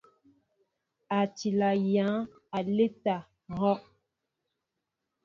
A tila yăŋ aleta ahɔʼ.